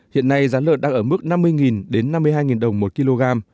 hiện nay giá lợn đang ở mức năm mươi đến năm mươi hai đồng một kg